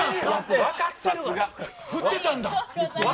ふってたんだ。